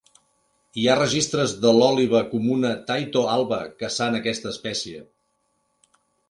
Hi ha registres de l'òliba comuna "Tyto alba" caçant aquesta espècie.